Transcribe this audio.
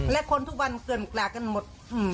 และคนทุกวันเกลื่อนกลากันหมด